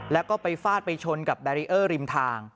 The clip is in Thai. แล้วก็ไปฟาดไปชนกับแบรีเออร์ริมทาง